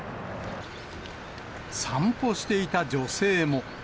散歩していた女性も。